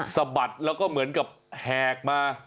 สะบัดแล้วก็เหมือนกับแหกมา